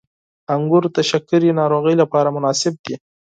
• انګور د شکرې ناروغۍ لپاره مناسب دي.